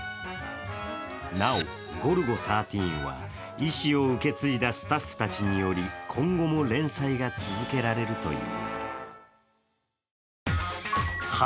なお、「ゴルゴ１３」は遺志を受け継いだスタッフたちにより今後も連載が続けられるという。